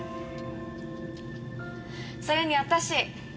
それに私